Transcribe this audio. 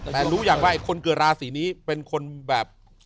แต่รู้อย่างว่าคนเกิดราศีนี้เป็นคนแบบ